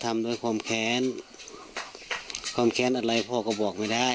ทำด้วยความแค้นความแค้นอะไรพ่อก็บอกไม่ได้